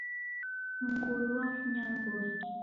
Mngulu wafunya mboi.